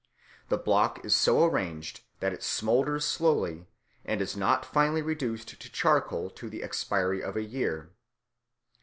The block is so arranged that it smoulders slowly and is not finally reduced to charcoal till the expiry of a year.